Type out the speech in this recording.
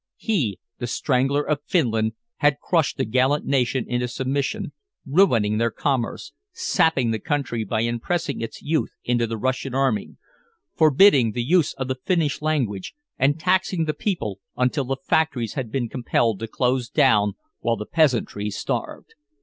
He, "The Strangler of Finland," had crushed the gallant nation into submission, ruining their commerce, sapping the country by impressing its youth into the Russian army, forbidding the use of the Finnish language, and taxing the people until the factories had been compelled to close down while the peasantry starved.